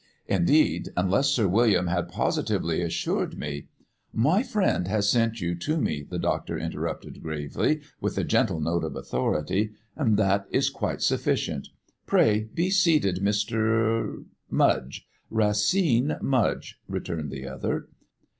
Indeed, unless Sir William had positively assured me " "My friend has sent you to me," the doctor interrupted gravely, with a gentle note of authority, "and that is quite sufficient. Pray, be seated, Mr. " "Mudge Racine Mudge," returned the other.